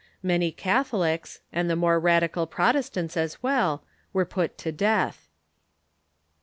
Many Catholics, and the more radical Protestants as well, Avere put to death.